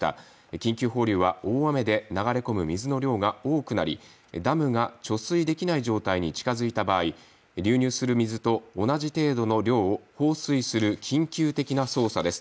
緊急放流は大雨で流れ込む水の量が多くなりダムが貯水できない状況に近づいた場合、流入する水と同じ程度の量を放水する緊急的な操作です。